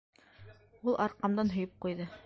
- Ул арҡамдан һөйөп ҡуйҙы.